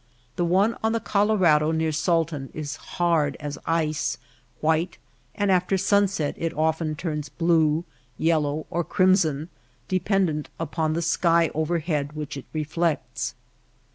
The one on the Colorado near Salton is hard as ice, white, and after sunset it often turns blue, yellow, or crimson, dependent upon the sky overhead which it reflects.